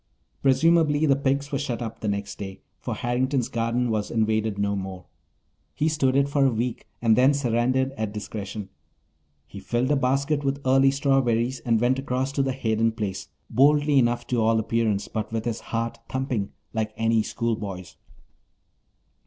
Presumably the pigs were shut up the next day, for Harrington's garden was invaded no more. He stood it for a week and then surrendered at discretion. He filled a basket with early strawberries and went across to the Hayden place, boldly enough to all appearance, but with his heart thumping like any schoolboy's.